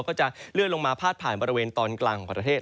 ก็จะเลื่อนลงมาพาดผ่านบริเวณตอนกลางของประเทศ